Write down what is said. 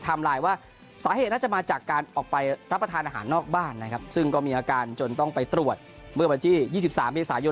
ไลน์ว่าสาเหตุน่าจะมาจากการออกไปรับประทานอาหารนอกบ้านนะครับซึ่งก็มีอาการจนต้องไปตรวจเมื่อวันที่๒๓เมษายน